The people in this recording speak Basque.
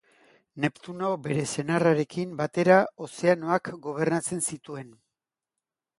Neptuno bere senarrarekin batera, ozeanoak gobernatzen zituen.